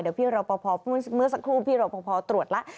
เดี๋ยวพี่รอปภเมื่อสักครู่พี่รอพอตรวจแล้ว